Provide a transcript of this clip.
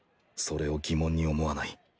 それを疑問に思わない。